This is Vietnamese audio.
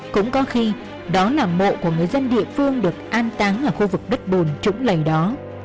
cũng có khi đó là mộ của người dân địa phương được an táng ở khu vực đất bùn trũng lầy đó